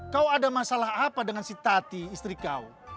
kau ada masalah apa dengan si tati istri kau